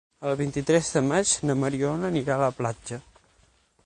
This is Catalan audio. El vint-i-tres de maig na Mariona anirà a la platja.